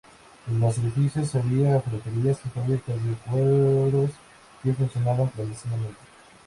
En los edificios había ferreterías y fábricas de cueros que funcionaban clandestinamente.